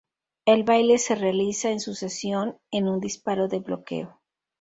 El baile se realiza en sucesión en un disparo de bloqueo.